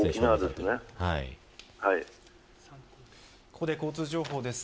ここで交通情報です。